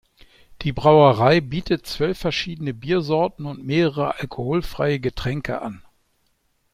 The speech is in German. Die Brauerei bietet zwölf verschiedene Biersorten und mehrere alkoholfreie Getränke an.